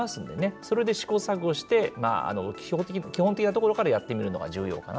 それで試行錯誤して、基本的なところからやってみるのが重要かな